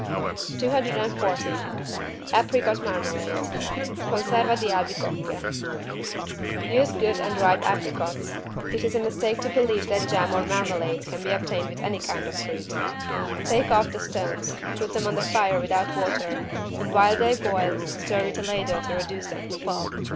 PRESERVES 214 APRICOT MARMALADE (Conserva di albicocche) Use good and ripe apricots. It is a mistake to believe that jam or marmalade can be obtained with any kind of fruit. Take off the stones, put them on the fire without water and while they boil, stir with a ladle to reduce them to pulp.